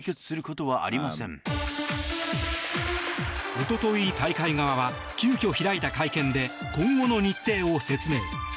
おととい大会側は急きょ開いた会見で今後の日程を説明。